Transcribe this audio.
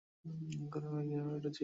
গরমে যে ঘেমে উঠেছিস?